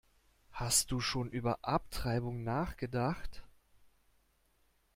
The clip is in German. Hast du schon über Abtreibung nachgedacht?